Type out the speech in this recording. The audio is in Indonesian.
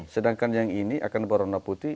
sedangkan yang ini akan berwarna putih